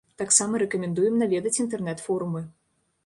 Таксама рэкамендуем наведаць інтэрнэт-форумы.